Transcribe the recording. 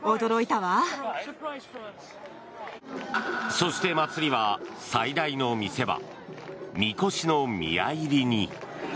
そして、祭りは最大の見せ場みこしの宮入に。